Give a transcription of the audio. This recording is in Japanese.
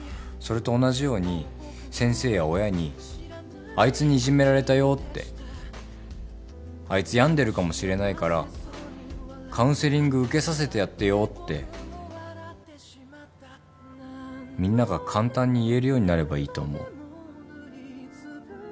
それと同じように先生や親に「あいつにいじめられたよ」って「あいつ病んでるかもしれないからカウンセリング受けさせてやってよ」ってみんなが簡単に言えるようになればいいと思う。